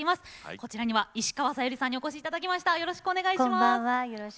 こちらには石川さゆりさんにお越しいただきました。